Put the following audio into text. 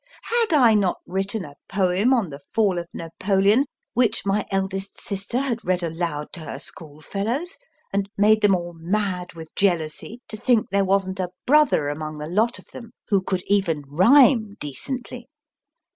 Had I not written a poem on the fall of Napoleon, which my eldest sister had read aloud to her schoolfellows, and made them all mad with jealousy to think 88 MY FIRST BOOK there wasn t a brother among the lot of them who could even rhyme decently